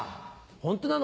ホントなの？